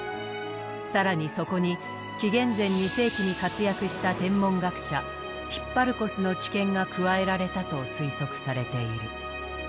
更にそこに紀元前２世紀に活躍した天文学者ヒッパルコスの知見が加えられたと推測されている。